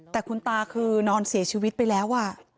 แต่คุณตาคือนอนเสียชีวิตไปแล้ว